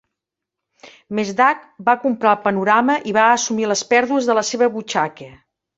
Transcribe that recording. Mesdag va comprar el panorama i va assumir les pèrdues de la seva butxaca.